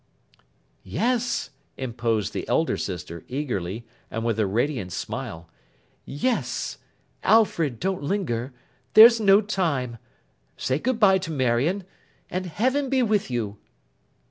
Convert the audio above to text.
'Yes!' interposed the elder sister, eagerly, and with a radiant smile. 'Yes! Alfred, don't linger. There's no time. Say good bye to Marion. And Heaven be with you!